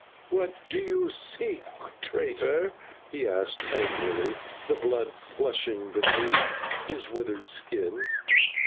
"What do you seek, traitor?" he asked angrily, the blood flushing beneath his withered skin.